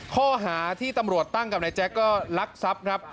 ข้อหาที่ตำรวจตั้งกับนายแจ๊คก็ลักทรัพย์ครับ